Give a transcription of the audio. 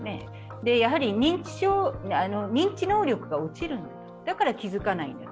やはり認知能力が落ちる、だから気付かない。